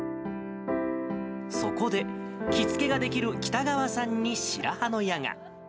そこで、着付けができる北川さんに白羽の矢が。